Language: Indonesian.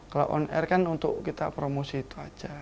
kalau on air kan untuk kita promosi itu aja